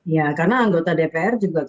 ya karena anggota dpr juga